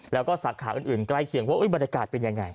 แล้วก็สาขาอื่นใกล้เคียงว่าบรรยากาศเป็นยังไง